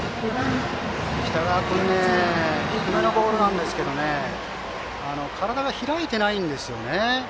北川君低めのボールでしたが体が開いてないんですよね。